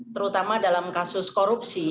terutama dalam kasus korupsi